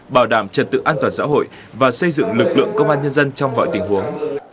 bảo đảm trật tự an toàn xã hội và xây dựng lực lượng công an nhân dân trong mọi tình huống